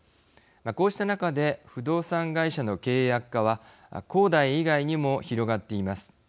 こうした中で不動産会社の経営悪化は恒大以外にも広がっています。